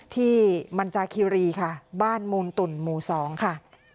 ที่มันจาคิรีค่ะบ้านมูลตุ่นหมู่๒ค่ะ